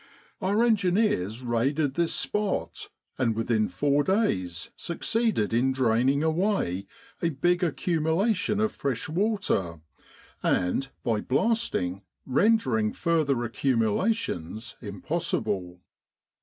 Our engineers raided this spot, and within four days succeeded in draining away a big accumulation of fresh water, and, by blasting, rendering further accumulations impossible.